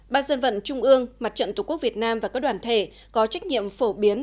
ba ban dân vận trung ương mặt trận tổ quốc việt nam và các đoàn thể có trách nhiệm phổ biến